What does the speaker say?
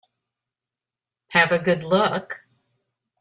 Have a good look.